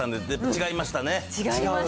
違いましたね。